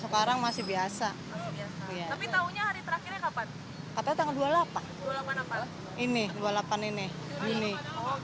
sekarang masih biasa tapi taunya hari terakhir kapan kata tanggal dua puluh delapan ini dua puluh delapan ini ini oh